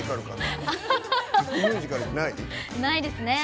ないですね。